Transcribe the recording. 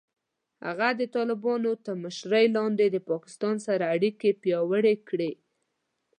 هغه د طالبانو تر مشرۍ لاندې د پاکستان سره اړیکې پیاوړې کړې.